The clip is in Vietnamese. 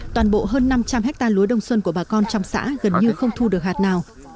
toàn bộ hơn năm trăm linh hectare lúa đông xuân của bà con trong xã gần như không thu được hạt nào